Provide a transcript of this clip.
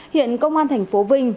hiện công an tp vinh